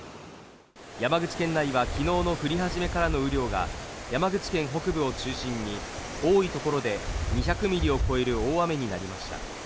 山口県内は昨日の降り始めからの雨量が山口県北部を中心に多いところで２００ミリを超える大雨になりました。